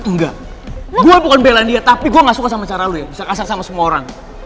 enggak gue bukan belandia tapi gue gak suka sama cara lo ya bisa kasar sama semua orang